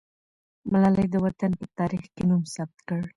ملالۍ د وطن په تاریخ کې نوم ثبت کړ.